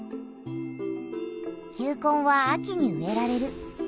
球根は秋に植えられる。